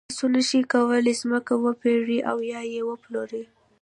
تاسو نشئ کولای ځمکه وپېرئ او یا یې وپلورئ.